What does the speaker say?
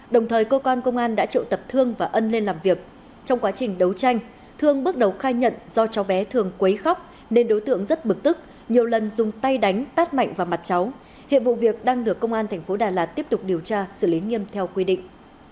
đồng thời cơ quan công an đã triệu tập thương và ân lên làm việc trong quá trình đấu tranh thương bước đầu khai nhận do cháu bé thường quấy khóc nên đối tượng rất bực tức nhiều lần dùng tay đánh tát mạnh vào mặt cháu hiện vụ việc đang được công an tp đà lạt tiếp tục điều tra xử lý nghiêm theo quy định